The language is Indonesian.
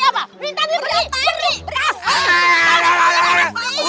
ya elah ini mau bujukin anak lu